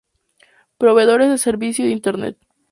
Proveedores de servicios de Internet.